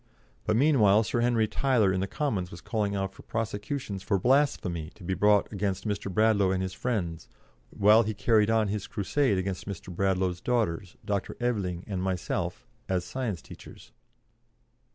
But, meanwhile, Sir Henry Tyler in the Commons was calling out for prosecutions for blasphemy to be brought against Mr. Bradlaugh and his friends, while he carried on his crusade against Mr. Bradlaugh's daughters, Dr. Aveling, and myself, as science teachers.